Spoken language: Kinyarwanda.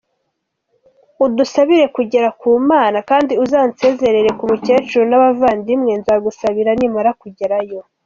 Udusabire kugera ku Mana, kandi uzansezerere ku mukecuru n’abavandimwe, nzagusabira nimara kugera yo.